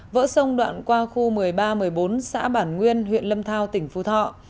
vỡ sông đoạn qua khu một mươi ba một mươi bốn xã bản nguyên huyện lâm thao tỉnh phú thọ